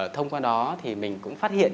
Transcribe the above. thông qua đó thì mình cũng phát hiện